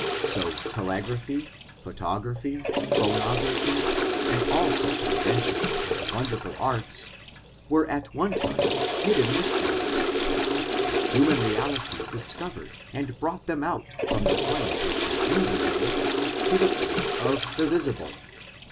So telegraphy, photography, phonography, and all such inventions and wonderful arts, were at one time hidden mysteries: the human reality discovered and brought them out from the plane of the invisible to the plane of the visible.